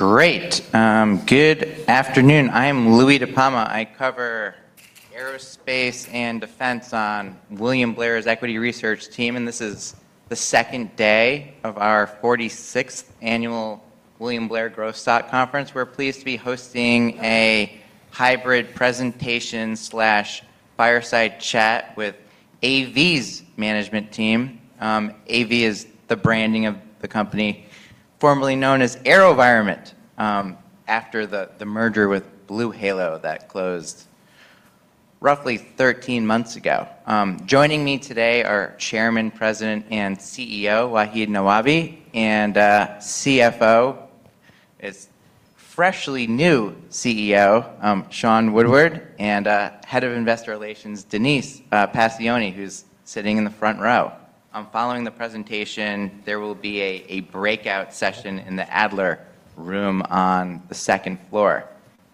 Great. Good afternoon. I am Louie DiPalma. I cover Aerospace and Defense on William Blair's Equity Research team. This is the second day of our 46th Annual William Blair Growth Stock Conference. We're pleased to be hosting a hybrid presentation/fireside chat with AV's management team. AV is the branding of the company formerly known as AeroVironment, after the merger with BlueHalo that closed roughly 13 months ago. Joining me today are Chairman, President, and CEO, Wahid Nawabi; CFO, its freshly new CEO, Sean Woodward; and Head of Investor Relations, Denise Pacioni, who's sitting in the front row. Following the presentation, there will be a breakout session in the Adler Room on the second floor.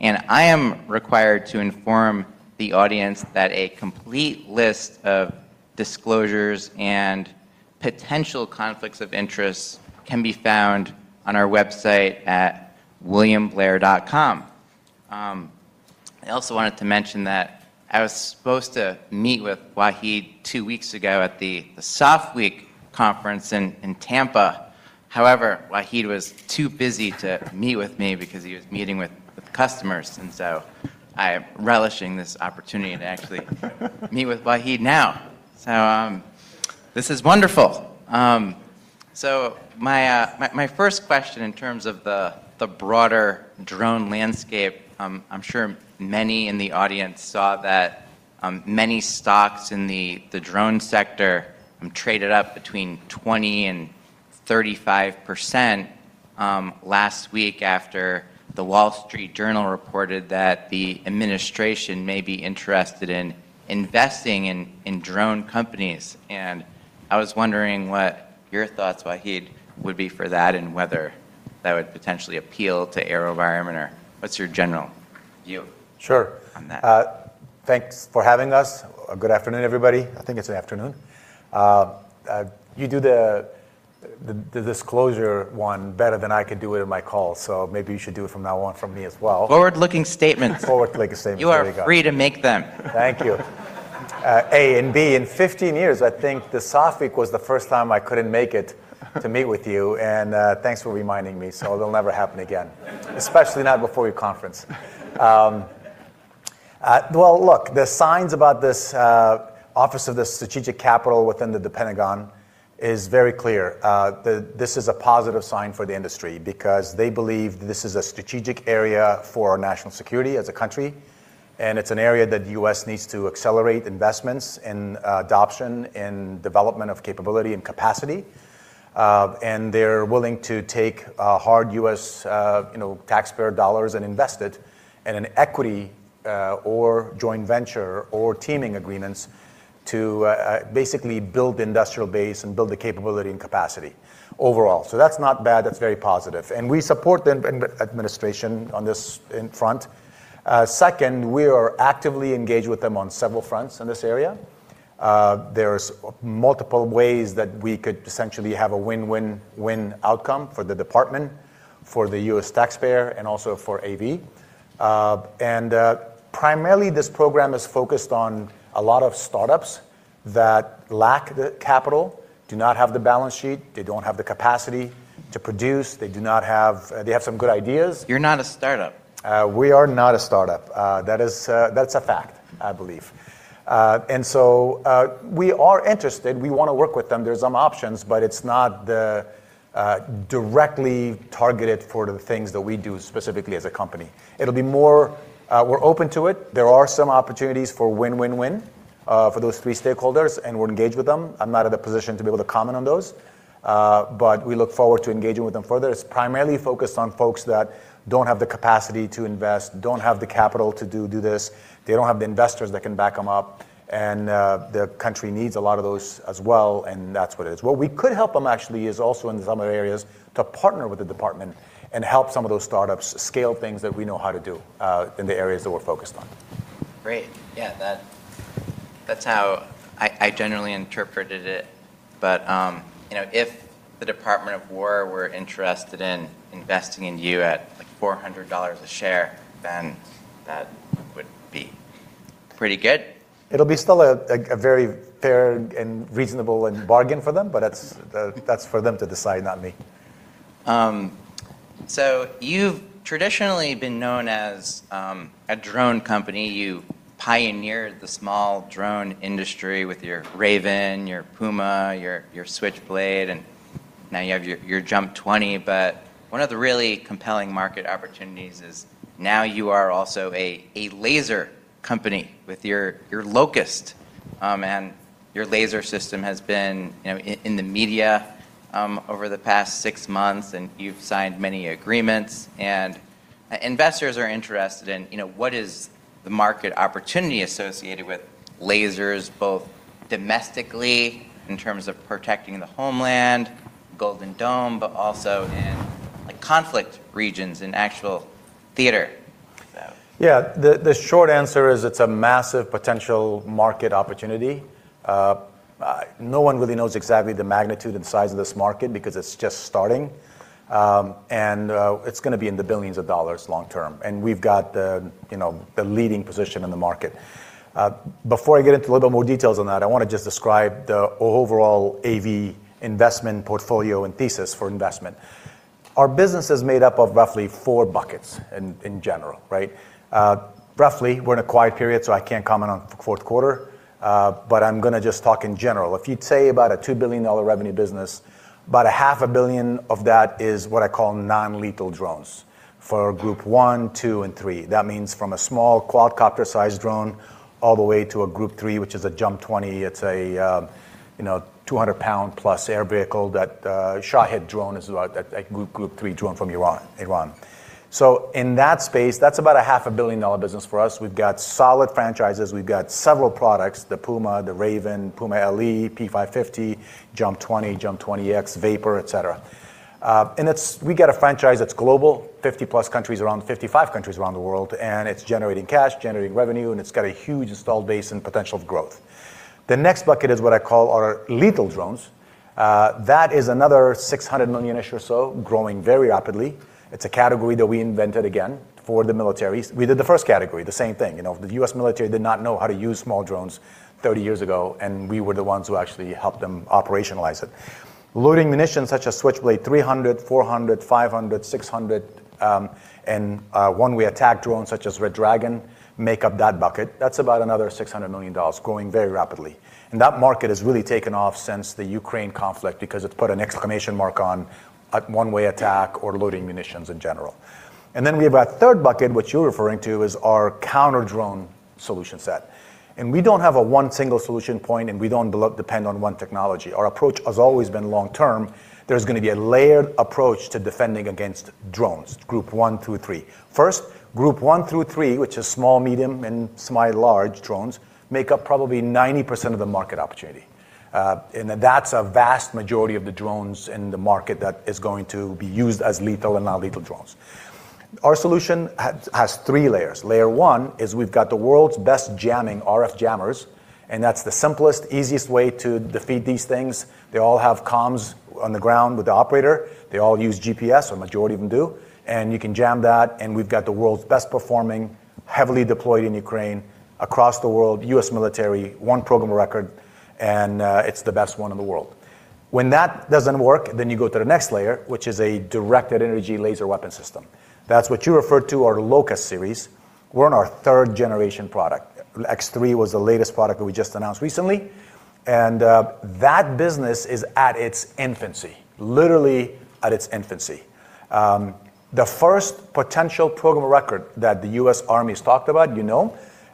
I am required to inform the audience that a complete list of disclosures and potential conflicts of interest can be found on our website at williamblair.com. I also wanted to mention that I was supposed to meet with Wahid two weeks ago at the SOF Week conference in Tampa. Wahid was too busy to meet with me because he was meeting with customers, and so I am relishing this opportunity to actually meet with Wahid now. This is wonderful. My first question in terms of the broader drone landscape, I'm sure many in the audience saw that many stocks in the drone sector traded up between 20% and 35% last week after The Wall Street Journal reported that the administration may be interested in investing in drone companies. I was wondering what your thoughts, Wahid, would be for that, and whether that would potentially appeal to AeroVironment, or what's your general view on that? Sure. Thanks for having us. Good afternoon, everybody. I think it's the afternoon. You do the disclosure one better than I could do it in my call. Maybe you should do it from now on for me as well. Forward-looking statements. Forward-looking statements. There you go. You are free to make them. Thank you. In 15 years, I think the SOF Week was the first time I couldn't make it to meet with you, and thanks for reminding me. It'll never happen again. Especially not before your conference. Well, look, the signs about this Office of Strategic Capital within the Pentagon is very clear. This is a positive sign for the industry because they believe this is a strategic area for our national security as a country, and it's an area that the U.S. needs to accelerate investments in adoption, in development of capability and capacity. They're willing to take hard U.S. taxpayer dollars and invest it in an equity, or joint venture, or teaming agreements to basically build the industrial base and build the capability and capacity overall. That's not bad. That's very positive. We support the administration on this front. Second, we are actively engaged with them on several fronts in this area. There's multiple ways that we could essentially have a win-win-win outcome for the department, for the U.S. taxpayer, and also for AV. Primarily, this program is focused on a lot of startups that lack the capital, do not have the balance sheet. They don't have the capacity to produce. They have some good ideas. You're not a startup. We are not a startup. That's a fact, I believe. We are interested. We want to work with them. There's some options, but it's not directly targeted for the things that we do specifically as a company. We're open to it. There are some opportunities for win-win-win for those three stakeholders, and we're engaged with them. I'm not in a position to be able to comment on those, but we look forward to engaging with them further. It's primarily focused on folks that don't have the capacity to invest, don't have the capital to do this. They don't have the investors that can back them up, and the country needs a lot of those as well, and that's what it is. What we could help them, actually, is also in some areas to partner with the department and help some of those startups scale things that we know how to do in the areas that we're focused on. Great. Yeah, that's how I generally interpreted it. If the Department of War were interested in investing in you at $400 a share, then that would be pretty good. It'll be still a very fair and reasonable bargain for them. But that's for them to decide, not me. You've traditionally been known as a drone company. You pioneered the small drone industry with your Raven, your Puma, your Switchblade, and now you have your JUMP 20. One of the really compelling market opportunities is now you are also a laser company with your LOCUST. Your laser system has been in the media over the past six months, and you've signed many agreements. Investors are interested in what is the market opportunity associated with lasers, both domestically in terms of protecting the homeland, Golden Dome, but also in conflict regions, in actual theater. Yeah. The short answer is it's a massive potential market opportunity. No one really knows exactly the magnitude and size of this market because it's just starting. It's going to be in the billions of dollars long term. We've got the leading position in the market. Before I get into a little bit more details on that, I want to just describe the overall AV investment portfolio and thesis for investment. Our business is made up of roughly four buckets in general. Roughly, we're in a quiet period, so I can't comment on the fourth quarter. I'm going to just talk in general. If you'd say about a $2 billion revenue business, about $500 million of that is what I call non-lethal drones for Group 1, 2, and 3. That means from a small quadcopter-sized drone all the way to a Group 3, which is a JUMP 20. It's a 200+ lbs air vehicle that Shahed drone is about that Group 3 drone from Iran. In that space, that's about $500 million business for us. We've got solid franchises. We've got several products: the Puma, the Raven, Puma LE, P550, JUMP 20, JUMP 20-X, VAPOR, et cetera. We get a franchise that's global, 50+ countries, around 55 countries around the world. It's generating cash, generating revenue, and it's got a huge install base and potential of growth. The next bucket is what I call our lethal drones. That is another $600 million-ish or so, growing very rapidly. It's a category that we invented again for the militaries. We did the first category, the same thing. The U.S. military did not know how to use small drones 30 years ago. We were the ones who actually helped them operationalize it. Loitering munitions such as Switchblade 300, 400, 500, 600, and one-way attack drones such as Red Dragon make up that bucket. That's about another $600 million, growing very rapidly. That market has really taken off since the Ukraine conflict because it's put an exclamation mark on one-way attack or loitering munitions in general. We have our third bucket, which you're referring to, is our counter-drone solution set. We don't have a one single solution point, and we don't depend on one technology. Our approach has always been long term. There's going to be a layered approach to defending against drones, Group 1 through 3. First, Group 1 through 3, which is small, medium, and semi-large drones, make up probably 90% of the market opportunity. That's a vast majority of the drones in the market that is going to be used as lethal and non-lethal drones. Our solution has three layers. Layer 1 is we've got the world's best jamming RF jammers, and that's the simplest, easiest way to defeat these things. They all have comms on the ground with the operator. They all use GPS, or majority of them do. You can jam that. We've got the world's best performing, heavily deployed in Ukraine, across the world, U.S. military, one program record. It's the best one in the world. When that doesn't work, you go to the next layer, which is a Directed Energy Laser Weapon System. That's what you referred to, our LOCUST series. We're on our third generation product. X3 was the latest product that we just announced recently. That business is at its infancy. Literally at its infancy. The first potential program record that the U.S. Army's talked about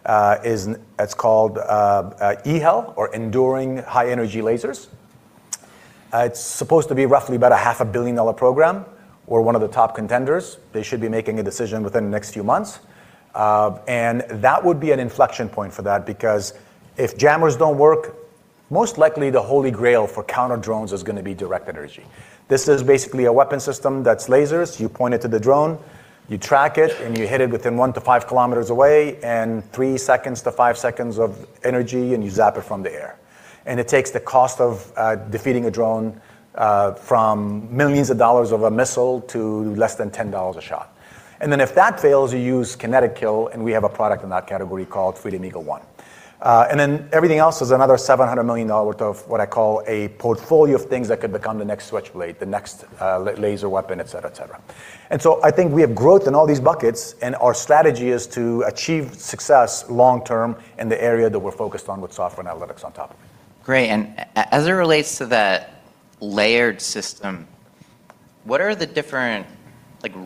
is called EHEL, or Enduring High Energy Lasers. It's supposed to be roughly about $500 million program. We're one of the top contenders. They should be making a decision within the next few months. That would be an inflection point for that because if jammers don't work, most likely the holy grail for counter drones is going to be directed energy. This is basically a weapon system that's lasers. You point it to the drone, you track it, and you hit it within 1 km-5 km away and three to five seconds of energy, and you zap it from the air. It takes the cost of defeating a drone from millions of dollars of a missile to less than $10 a shot. If that fails, you use kinetic kill, and we have a product in that category called Freedom Eagle-1. Everything else is another $700 million worth of what I call a portfolio of things that could become the next Switchblade, the next laser weapon, et cetera. I think we have growth in all these buckets, and our strategy is to achieve success long term in the area that we're focused on with software and analytics on top. Great. As it relates to that layered system, what are the different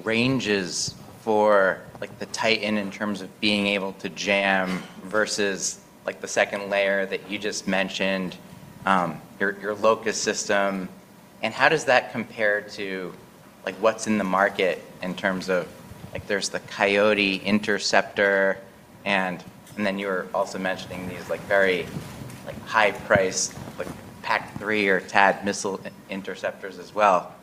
ranges for the Titan in terms of being able to jam versus the second layer that you just mentioned, your LOCUST system? How does that compare to what's in the market in terms of, there's the Coyote interceptor, and then you were also mentioning these very high priced PAC-3 or THAAD missile interceptors as well.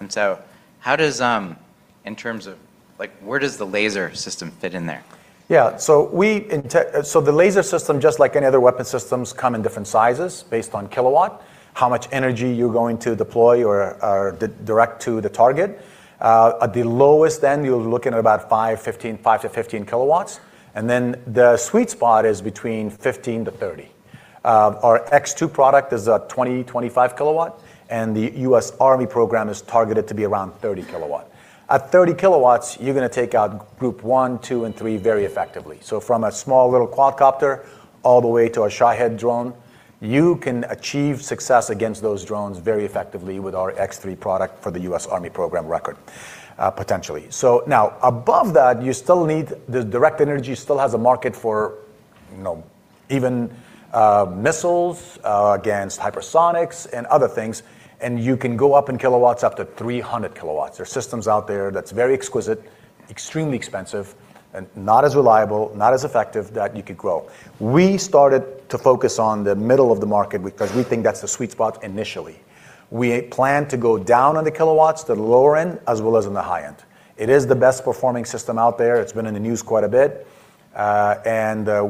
Where does the laser system fit in there? The laser system, just like any other weapon systems, come in different sizes based on kilowatt. How much energy you're going to deploy or direct to the target. At the lowest end, you're looking at about 5 kW-15 kW. The sweet spot is between 15 kW-30 kW. Our X2 product is a 20 kW-25 kW, and the U.S. Army program is targeted to be around 30 kW. At 30 kW, you're going to take out Group 1, 2, and 3 very effectively. From a small little quadcopter all the way to a Shahed drone, you can achieve success against those drones very effectively with our X3 product for the U.S. Army program record, potentially. Now, above that, the directed energy still has a market for even missiles against hypersonics and other things, and you can go up in kilowatts up to 300 kW. There are systems out there that's very exquisite, extremely expensive, and not as reliable, not as effective that you could grow. We started to focus on the middle of the market because we think that's the sweet spot initially. We plan to go down on the kilowatts, the lower end, as well as on the high end. It is the best performing system out there. It's been in the news quite a bit.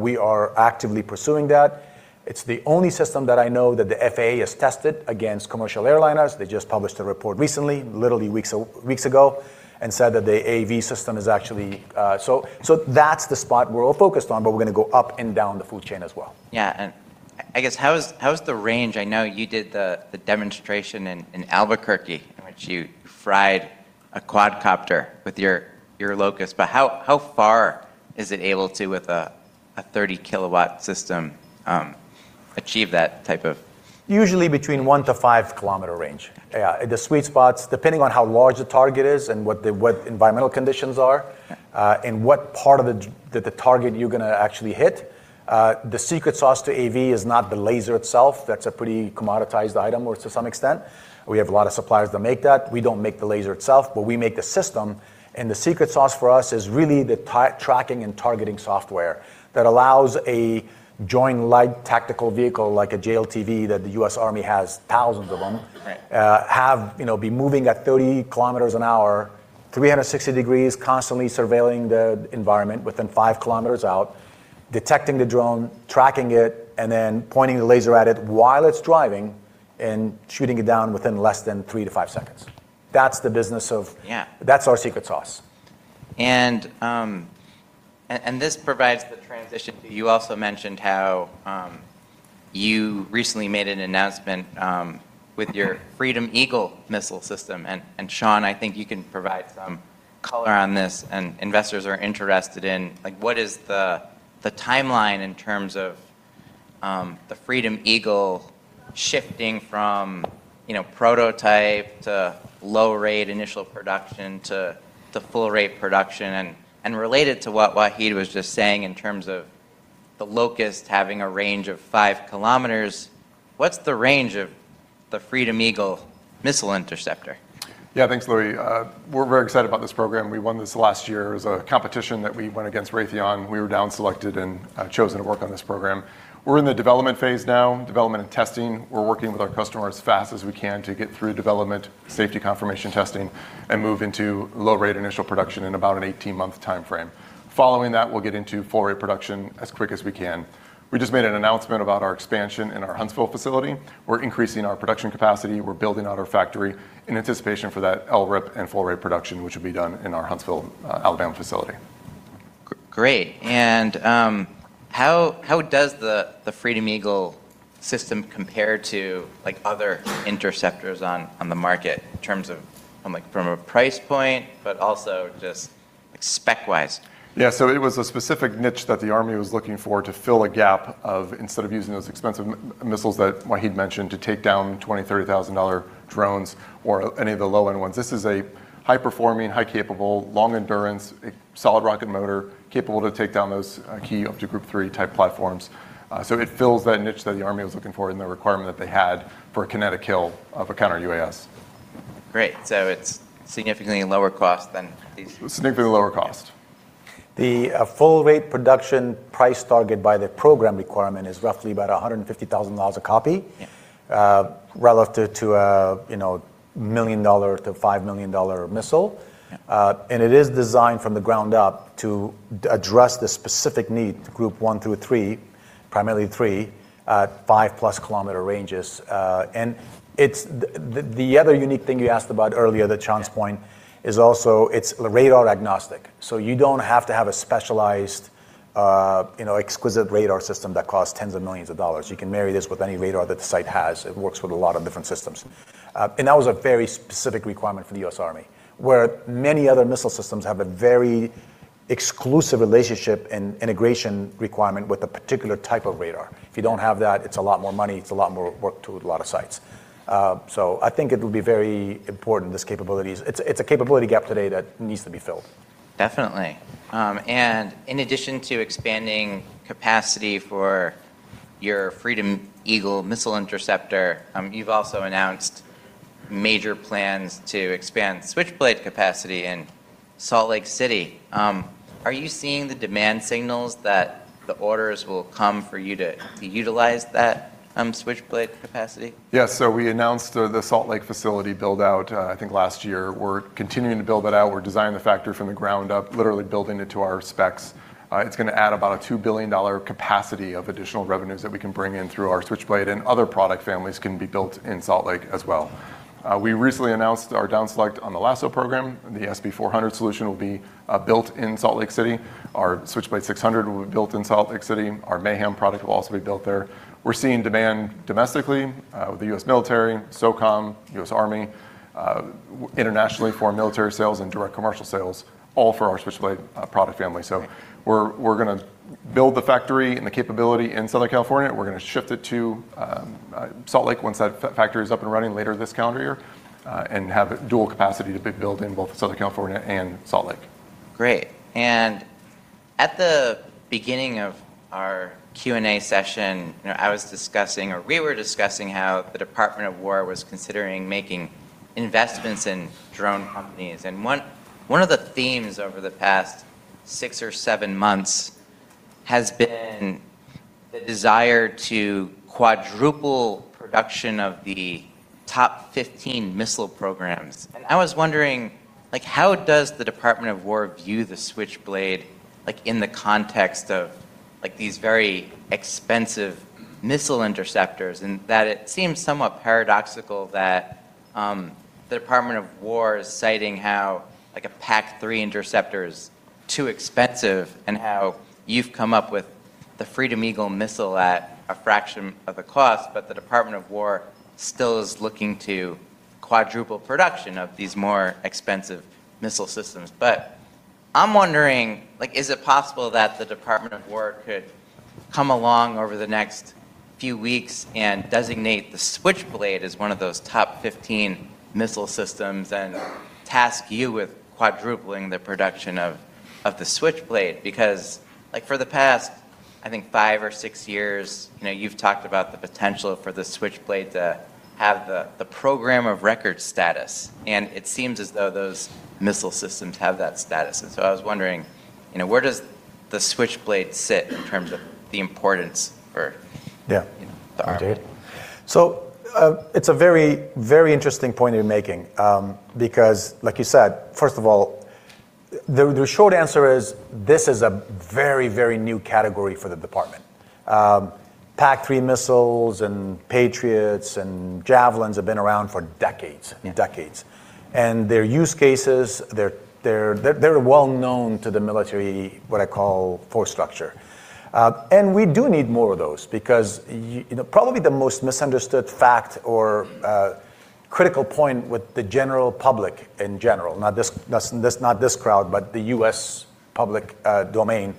We are actively pursuing that. It's the only system that I know that the FAA has tested against commercial airliners. They just published a report recently, literally weeks ago, and said that the AV system is actually. That's the spot we're all focused on, but we're going to go up and down the food chain as well. Yeah. I guess, how is the range? I know you did the demonstration in Albuquerque, in which you fried a quadcopter with your LOCUST. But how far is it able to, with a 30-kW system achieve that type of? Usually between 1 km-5 km range. Yeah. The sweet spot's, depending on how large the target is and what the environmental conditions are, and what part of the target you're going to actually hit. The secret sauce to AV is not the laser itself. That's a pretty commoditized item to some extent. We have a lot of suppliers that make that. We don't make the laser itself, we make the system. The secret sauce for us is really the tracking and targeting software that allows a joint light tactical vehicle, like a JLTV that the U.S. Army has thousands of them- Right.... have be moving at 30 km an hour, 360 degrees, constantly surveilling the environment within 5 km out, detecting the drone, tracking it, and then pointing the laser at it while it's driving,. And shooting it down within less than three to five seconds. That's the business- Yeah... that's our secret sauce. This provides the transition. You also mentioned how you recently made an announcement with your Freedom Eagle-1 missile system. Sean, I think you can provide some color on this. Investors are interested in... What is the timeline in terms of the Freedom Eagle shifting from prototype to Low-Rate Initial Production to Full-Rate Production? Related to what Wahid was just saying in terms of the LOCUST having a range of 5 km, what's the range of the Freedom Eagle missile interceptor? Yeah. Thanks, Louie. We're very excited about this program. We won this last year. It was a competition that we went against Raytheon. We were down selected and chosen to work on this program. We're in the development phase now, development and testing. We're working with our customer as fast as we can to get through development, safety confirmation testing, and move into Low-Rate Initial Production in about an 18-month timeframe. Following that, we'll get into Full-Rate Production as quick as we can. We just made an announcement about our expansion in our Huntsville facility. We're increasing our production capacity. We're building out our factory in anticipation for that LRIP and Full-Rate Production, which will be done in our Huntsville, Alabama facility. Great. How does the Freedom Eagle system compare to other interceptors on the market in terms of from a price point, but also just spec-wise? Yeah. It was a specific niche that the Army was looking for to fill a gap of, instead of using those expensive missiles that Wahid mentioned to take down $20,000, $30,000 drones or any of the low-end ones. This is a high performing, high capable, long endurance, solid rocket motor capable to take down those key object Group 3 type platforms. It fills that niche that the Army was looking for in the requirement that they had for a kinetic kill of a counter-UAS. Great. It's significantly lower cost than these? Significantly lower cost. The Full-Rate Production price target by the program requirement is roughly about $150,000 a copy- Yeah.... relative to a $1 million-$5 million missile. Yeah. It is designed from the ground up to address the specific need for Group 1 through 3, primarily 3, at 5+ km ranges. The other unique thing you asked about earlier, that Sean's point, is also it's radar-agnostic. You don't have to have a specialized exquisite radar system that costs tens of millions of dollars. You can marry this with any radar that the site has. It works with a lot of different systems. That was a very specific requirement for the U.S. Army, where many other missile systems have a very exclusive relationship and integration requirement with a particular type of radar. If you don't have that, it's a lot more money, it's a lot more work to a lot of sites. I think it'll be very important, this capability. It's a capability gap today that needs to be filled. Definitely. In addition to expanding capacity for your Freedom Eagle missile interceptor, you've also announced major plans to expand Switchblade capacity in Salt Lake City. Are you seeing the demand signals that the orders will come for you to utilize that Switchblade capacity? Yeah. We announced the Salt Lake facility build out, I think, last year. We're continuing to build that out. We're designing the factory from the ground up, literally building it to our specs. It's going to add about a $2 billion capacity of additional revenues that we can bring in through our Switchblade and other product families can be built in Salt Lake as well. We recently announced our down select on the LASSO program, and the SB 400 solution will be built in Salt Lake City. Our Switchblade 600 will be built in Salt Lake City. Our MAYHEM product will also be built there. We're seeing demand domestically, with the U.S. military, SOCOM, U.S. Army, internationally for our military sales and direct commercial sales, all for our Switchblade product family. We're going to build the factory and the capability in Southern California. We're going to shift it to Salt Lake once that factory is up and running later this calendar year. Have dual capacity to be built in both Southern California and Salt Lake. Great. At the beginning of our Q&A session, we were discussing how the Department of War was considering making investments in drone companies. One of the themes over the past six or seven months has been the desire to quadruple production of the top 15 missile programs. I was wondering, how does the Department of War view the Switchblade in the context of these very expensive missile interceptors? That it seems somewhat paradoxical that the Department of War is citing how a PAC-3 interceptor is too expensive, and how you've come up with the Freedom Eagle missile at a fraction of the cost, but the Department of War still is looking to quadruple production of these more expensive missile systems. I'm wondering, is it possible that the Department of War could come along over the next few weeks and designate the Switchblade as one of those top 15 missile systems, and task you with quadrupling the production of the Switchblade? For the past, I think, five or six years, you've talked about the potential for the Switchblade to have the program of record status. It seems as though those missile systems have that status. I was wondering, where does the Switchblade sit in terms of the importance for. Yeah.... the Army? Indeed. It's a very interesting point you're making. Like you said, first of all, the short answer is, this is a very new category for the department. PAC-3 missiles and Patriots and Javelins have been around for decades. Yeah. Their use cases, they're well known to the military, what I call force structure. We do need more of those because probably the most misunderstood fact or critical point with the general public in general, not this crowd, but the U.S. public domain,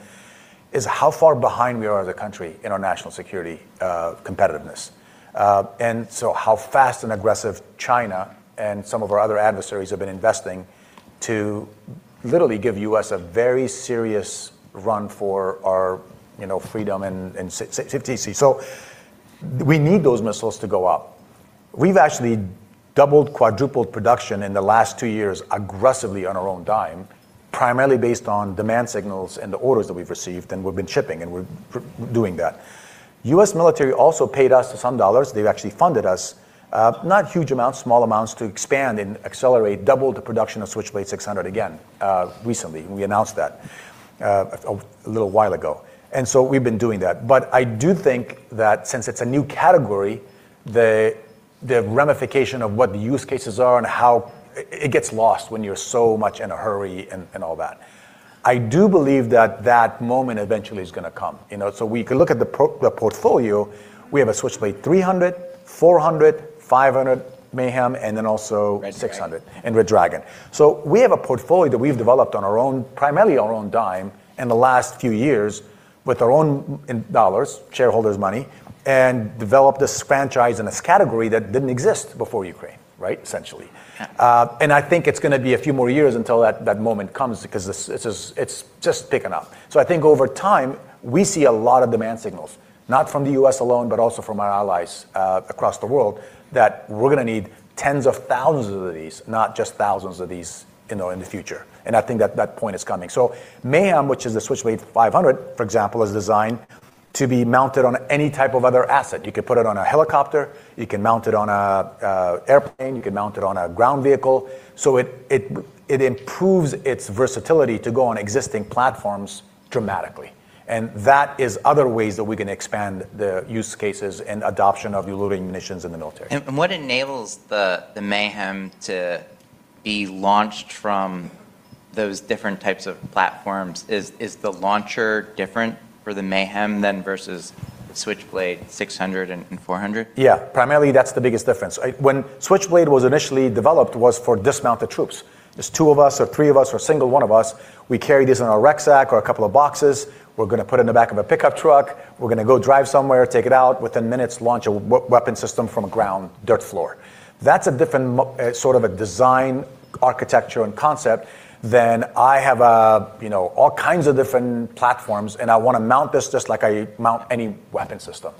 is how far behind we are as a country in our national security competitiveness. How fast and aggressive China and some of our other adversaries have been investing to literally give U.S. a very serious run for our freedom and safety. We need those missiles to go up. We've actually doubled, quadrupled production in the last two years aggressively on our own dime, primarily based on demand signals and the orders that we've received. We've been shipping. We're doing that. U.S. military also paid us some dollars. They've actually funded us. Not huge amounts, small amounts, to expand and accelerate, double the production of Switchblade 600 again, recently. We announced that a little while ago. We've been doing that. I do think that since it's a new category, the ramification of what the use cases are and how it gets lost when you're so much in a hurry and all that. I do believe that that moment eventually is going to come. We can look at the portfolio. We have a Switchblade 300, 400, 500, MAYHEM, and also- Red Dragon.... 600. Red Dragon. We have a portfolio that we've developed on primarily our own dime in the last few years with our own dollars, shareholders' money, and developed this franchise and this category that didn't exist before Ukraine, essentially. I think it's going to be a few more years until that moment comes because it's just picking up. I think over time, we see a lot of demand signals. Not from the U.S. alone, but also from our allies across the world, that we're going to need tens of thousands of these. Not just thousands of these, in the future. I think that that point is coming. MAYHEM, which is the Switchblade 500, for example, is designed to be mounted on any type of other asset. You could put it on a helicopter. You can mount it on an airplane. You can mount it on a ground vehicle. It improves its versatility to go on existing platforms dramatically. That is other ways that we can expand the use cases and adoption of loitering munitions in the military. What enables the MAYHEM to be launched from those different types of platforms? Is the launcher different for the MAYHEM than versus Switchblade 600 and 400? Yeah. Primarily, that's the biggest difference. When Switchblade was initially developed, was for dismounted troops. There's two of us, or three of us, or a single one of us. We carry these on our rucksack or a couple of boxes. We're going to put it in the back of a pickup truck. We're going to go drive somewhere, take it out, within minutes, launch a weapon system from a ground dirt floor. That's a different sort of a design architecture and concept than I have all kinds of different platforms. I want to mount this just like I mount any weapon system.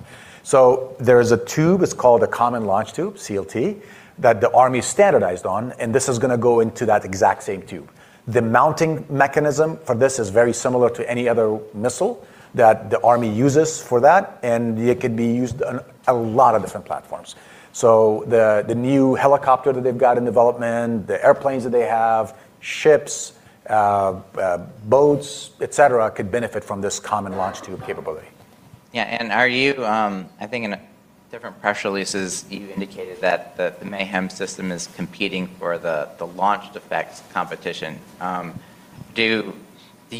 There is a tube, it's called a common launch tube, CLT, that the Army standardized on. This is going to go into that exact same tube. The mounting mechanism for this is very similar to any other missile that the army uses for that, and it could be used on a lot of different platforms. The new helicopter that they've got in development, the airplanes that they have, ships, boats, et cetera, could benefit from this common launch tube capability. Yeah. I think in different press releases, you indicated that the MAYHEM system is competing for the launched effects competition. Do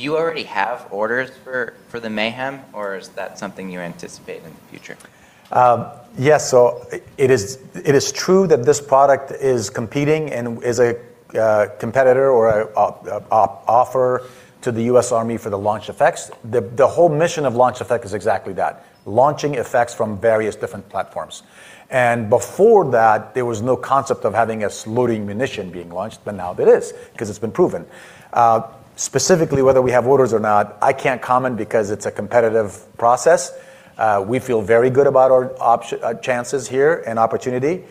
you already have orders for the MAYHEM, or is that something you anticipate in the future? Yes, it is true that this product is competing and is a competitor or a offer to the U.S. Army for the launched effects. The whole mission of launched effects is exactly that, launching effects from various different platforms. Before that, there was no concept of having a loitering munition being launched. But now this, because it's been proven. Specifically whether we have orders or not, I can't comment because it's a competitive process. We feel very good about our chances here and opportunity.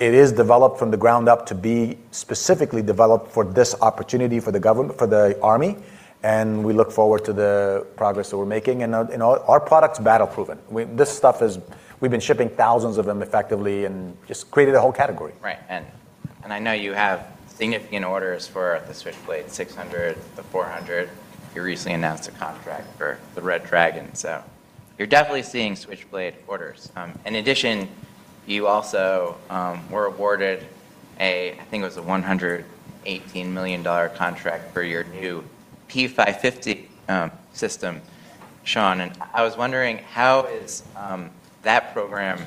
It is developed from the ground up to be specifically developed for this opportunity for the Army, and we look forward to the progress that we're making. Our product's battle proven. This stuff is, we've been shipping thousands of them effectively and just created a whole category. Right. I know you have significant orders for the Switchblade 600, the 400. You recently announced a contract for the Red Dragon. You're definitely seeing Switchblade orders. In addition, you also were awarded, I think it was a $118 million contract for your new P550 system, Sean. I was wondering how is that program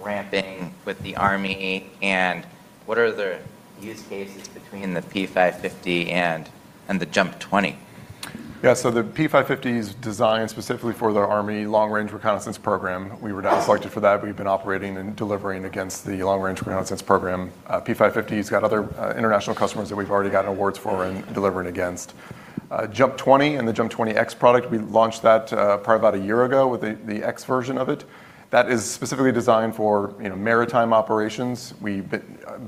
ramping with the Army, and what are the use cases between the P550 and the JUMP 20? Yeah. The P550 is designed specifically for the Army Long Range Reconnaissance Program. We were selected for that. We've been operating and delivering against the Long Range Reconnaissance Program. P550's got other international customers that we've already gotten awards for and delivering against. JUMP 20 and the JUMP 20-X product, we launched that probably about a year ago with the X version of it. That is specifically designed for maritime operations. We've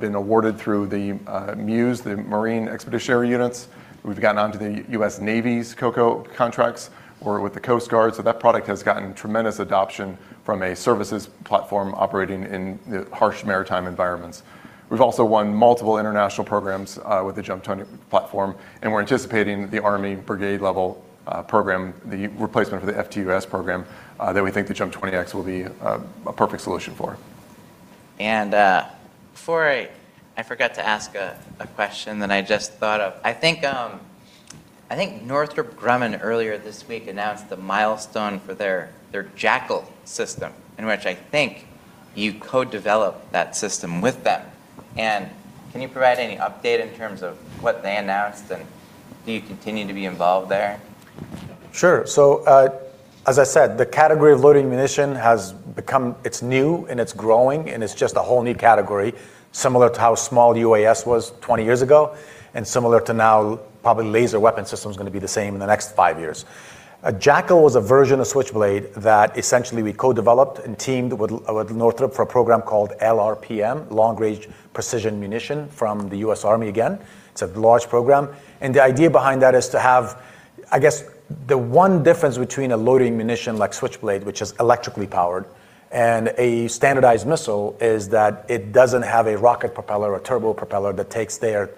been awarded through the MEUs, the Marine Expeditionary Units. We've gotten onto the U.S. Navy's COCO contracts or with the Coast Guard. That product has gotten tremendous adoption from a services platform operating in harsh maritime environments. We've also won multiple international programs with the JUMP 20 platform. We're anticipating the Army brigade level program, the replacement for the FTUAS program, that we think the JUMP 20-X will be a perfect solution for. Before I forgot to ask a question that I just thought of. I think Northrop Grumman earlier this week announced the milestone for their Jackal system, in which I think you co-developed that system with them. Can you provide any update in terms of what they announced, and do you continue to be involved there? As I said, the category of loitering munition, it's new and it's growing. It's just a whole new category, similar to how small the UAS was 20 years ago, similar to now probably laser weapon systems are going to be the same in the next five years. Jackal was a version of Switchblade that essentially we co-developed and teamed with Northrop for a program called LRPM, Long Range Precision Munition, from the U.S. Army again. It's a large program. The idea behind that is I guess the one difference between a loitering munition like Switchblade, which is electrically powered, and a standardized missile is that it doesn't have a rocket propeller or turbo propeller to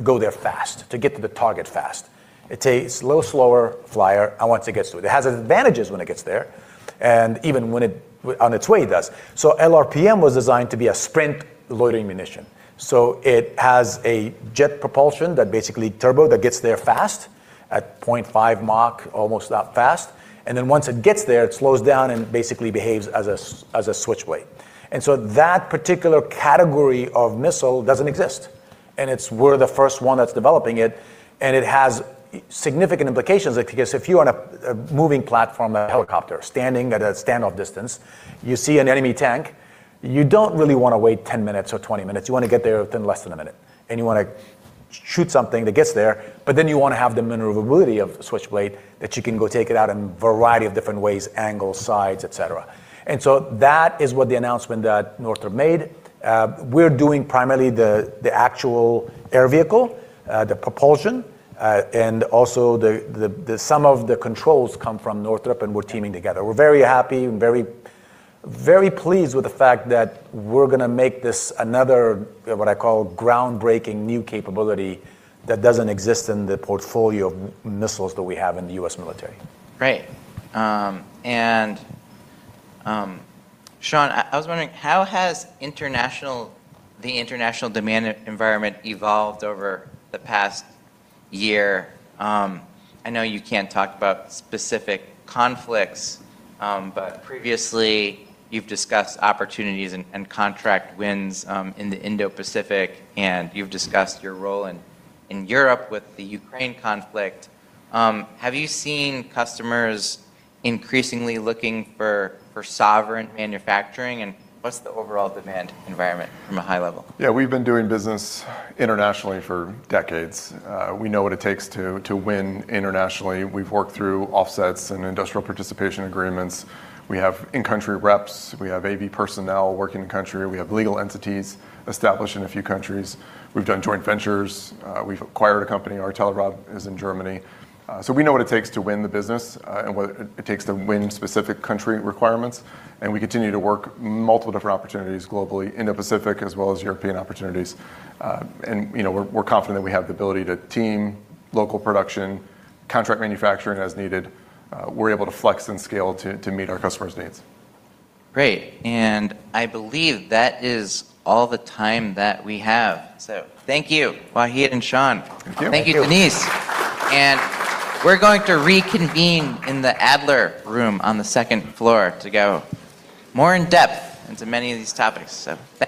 go there fast, to get to the target fast. It's a little slower flyer once it gets to it. It has advantages when it gets there, and even when on its way it does. LRPM was designed to be a sprint loitering munition. It has a jet propulsion, that basically turbo, that gets there fast, at 0.5 Mach, almost that fast. Once it gets there, it slows down and basically behaves as a Switchblade. That particular category of missile doesn't exist. We're the first one that's developing it, and it has significant implications. If you're on a moving platform, a helicopter, standing at a standoff distance, you see an enemy tank, you don't really want to wait 10 minutes or 20 minutes. You want to get there within less than a minute. You want to shoot something that gets there, you want to have the maneuverability of the Switchblade that you can go take it out in a variety of different ways, angles, sides, et cetera. That is what the announcement that Northrop made. We're doing primarily the actual air vehicle, the propulsion, and also some of the controls come from Northrop, and we're teaming together. We're very happy and very pleased with the fact that we're going to make this another, what I call groundbreaking new capability that doesn't exist in the portfolio of missiles that we have in the U.S. military. Great. Sean, I was wondering, how has the international demand environment evolved over the past year? I know you can't talk about specific conflicts. Previously, you've discussed opportunities and contract wins in the Indo-Pacific, and you've discussed your role in Europe with the Ukraine conflict. Have you seen customers increasingly looking for sovereign manufacturing? What's the overall demand environment from a high level? Yeah, we've been doing business internationally for decades. We know what it takes to win internationally. We've worked through offsets and industrial participation agreements. We have in-country reps. We have AV personnel working in country. We have legal entities established in a few countries. We've done joint ventures. We've acquired a company, Telerob in Germany. We know what it takes to win the business and what it takes to win specific country requirements. We continue to work multiple different opportunities globally, Indo-Pacific as well as European opportunities. We're confident that we have the ability to team local production, contract manufacturing as needed. We're able to flex and scale to meet our customers' needs. Great. I believe that is all the time that we have. Thank you, Wahid and Sean. Thank you. Thank you. Thank you, Denise. We're going to reconvene in the Adler Room on the second floor to go more in depth into many of these topics. Thanks.